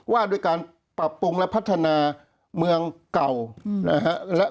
ว่าด้วยการปรับปรุงและพัฒนาเมืองเก่านะฮะ